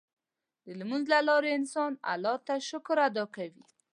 د لمونځ له لارې انسان الله ته شکر ادا کوي.